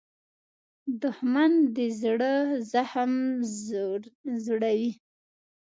دښمن د زړه زخم زوړوي